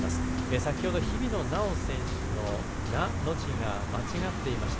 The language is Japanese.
先ほど日比野菜緒選手の「な」の字が間違っていました。